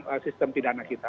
dalam sistem tindana kita